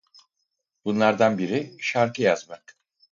Bunlardan biri şarkı yazmak.